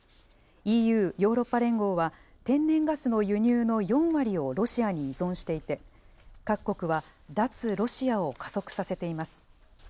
ＥＵ・ヨーロッパ連合は、天然ガスの輸入の４割をロシアに依存していて、各国は脱ロシアを加速させています。